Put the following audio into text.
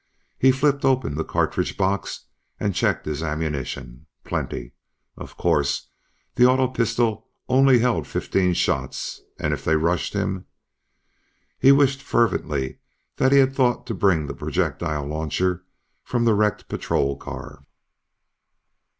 He flipped open the cartridge box and checked his ammunition. Plenty. Of course, the auto pistol only held fifteen shots and if they rushed him... He wished fervently that he had thought to bring the projectile launcher from the wrecked patrol car.